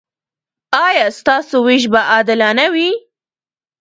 ایا ستاسو ویش به عادلانه وي؟